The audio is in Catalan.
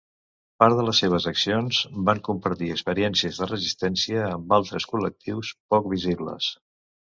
Part de les seves accions van compartir experiències de resistència amb altres col·lectius poc visibles.